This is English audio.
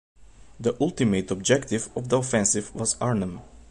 The ultimate objective of the offensive was Arnhem.